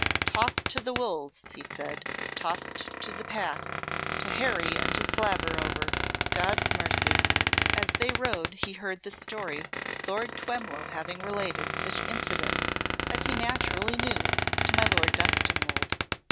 "Tossed to the wolves," he said; "tossed to the pack to harry and to slaver over! God's mercy!" As they rode he heard the story, Lord Twemlow having related such incidents as he naturally knew to my Lord Dunstanwolde.